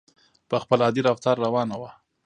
په خپل عادي رفتار روانه وه.